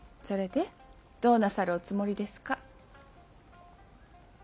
どうなさるおつもりですか？